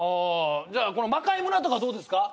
じゃあこの『魔界村』とかどうですか？